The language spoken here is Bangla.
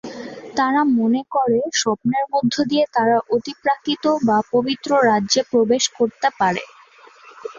তারা মনে করে, স্বপ্নের মধ্য দিয়ে তারা অতিপ্রাকৃত বা পবিত্র রাজ্যে প্রবেশ করতে পারে।